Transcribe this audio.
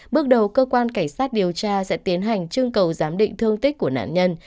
bước đầu cơ quan cảnh sát điều tra sẽ tiến hành trưng cầu giám định thương tích của nạn nhân